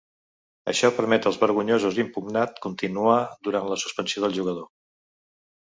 Això permet als vergonyosos impugnat continuar durant la suspensió del jugador.